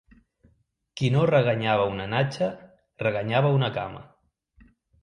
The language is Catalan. Qui no reganyava una natja reganyava una cama.